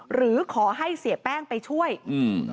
หรือขอให้เสียแป้งไปช่วยอืม